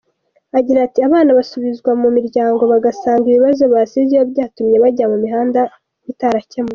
Agira ati “Abana basubizwa mu miryango bagasanga ibibazo basizeyo byatumye bajya mu mihanda bitarakemutse.